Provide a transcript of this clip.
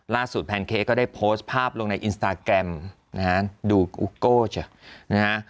แพนเค้กก็ได้โพสต์ภาพลงในอินสตาแกรมนะฮะดูกูโก้จากนะฮะ